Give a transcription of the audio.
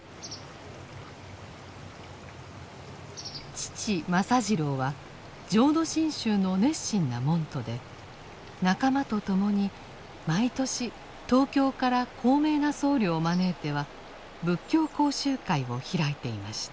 父政次郎は浄土真宗の熱心な門徒で仲間と共に毎年東京から高名な僧侶を招いては仏教講習会を開いていました。